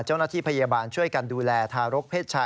เจ้าหน้าที่พยาบาลช่วยกันดูแลทารกเพศชาย